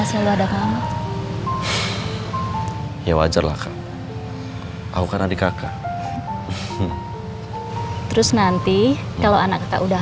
saya terima kasih